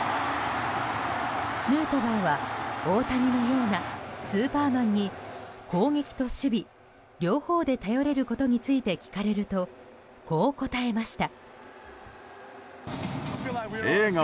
ヌートバーは大谷のようなスーパーマンに攻撃と守備両方で頼れることについて聞かれると、こう答えました。